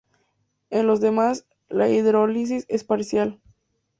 En los demás la hidrólisis es parcial.